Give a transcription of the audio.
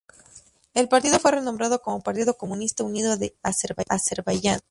El partido fue renombrado como Partido Comunista Unido de Azerbaiyán.